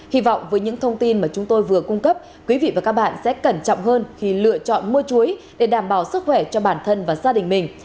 hy vọng với những thông tin mà chúng tôi vừa cung cấp quý vị và các bạn sẽ cẩn trọng hơn khi lựa chọn mua chuối để đảm bảo sức khỏe cho bản thân và gia đình mình